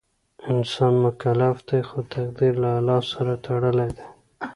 انسان مکلف دی خو تقدیر له الله سره تړلی دی.